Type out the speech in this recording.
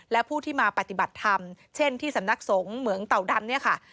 และผู้ที่มาปฏิบัติธรรมเช่นที่สำนักสงฆ์เหมืองเต่าดำเนี่ยค่ะ